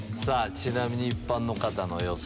ちなみに一般の方の予想。